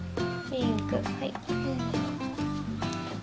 ピンクはい。